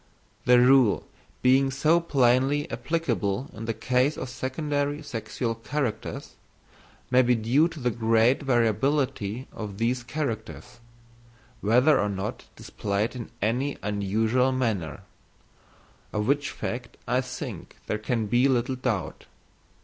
The rule being so plainly applicable in the case of secondary sexual characters, may be due to the great variability of these characters, whether or not displayed in any unusual manner—of which fact I think there can be little doubt.